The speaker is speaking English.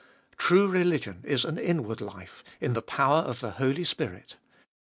True religion is an inward life, in the power of the Holy Spirit.